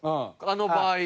あの場合。